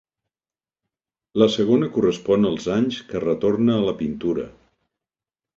La segona correspon als anys que retorna a la pintura.